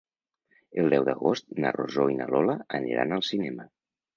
El deu d'agost na Rosó i na Lola aniran al cinema.